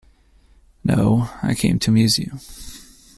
No; I came to amuse you.